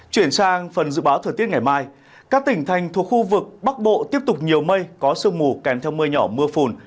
chuyển sang phần dự báo thời tiết ngày mai các tỉnh thành thuộc khu vực bắc bộ tiếp tục nhiều mây có sương mù kèm theo mưa nhỏ mưa phùn